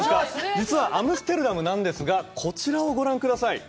実はアムステルダムなんですがこちらをご覧ください